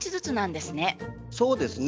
そうですね。